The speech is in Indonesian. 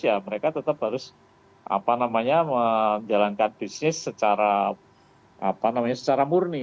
ya mereka tetap harus menjalankan bisnis secara murni